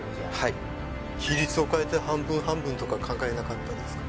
はい比率を変えて半分半分とか考えなかったですか？